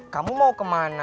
kamu mau ke rumahnya neng rika